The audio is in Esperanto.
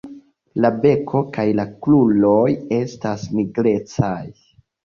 La beko kaj la kruroj estas nigrecaj.